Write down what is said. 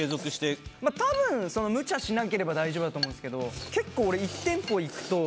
たぶんむちゃしなければ大丈夫だと思うんですけど結構俺。